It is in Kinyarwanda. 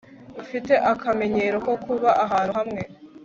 bafite akamenyero ko kuba ahantu hamwe